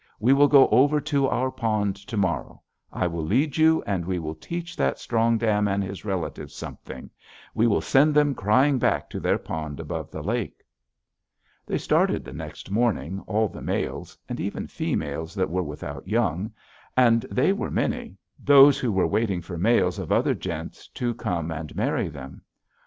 We will go over to our pond to morrow. I will lead you, and we will teach that Strong Dam and his relatives something; we will send them crying back to their pond above the lake!' "They started the next morning, all the males, and even females that were without young; and they were many, those who were waiting for males of other gentes to come and marry them.